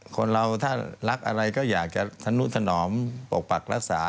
คนเราถ้ารักอะไรก็อยากจะธนุถนอมปกปักรักษา